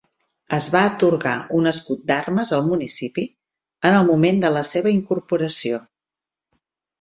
Es va atorgar un escut d'armes al municipi en el moment de la seva incorporació.